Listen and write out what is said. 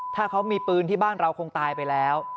ถ้าเขามีปืนที่บ้านเราคงตายไปแล้ว